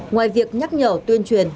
ngoài việc nhắc nhở tuyên truyền